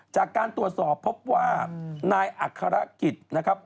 จากการตรวจสอบพบว่านายอัครกิจนะครับ